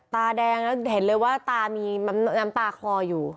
ตาแดงแล้วเห็นเลยว่าตามีน้ำตาคลออยู่